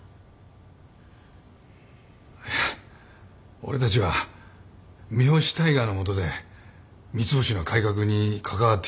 俺たちは三星大海のもとで三ツ星の改革に関わってきた。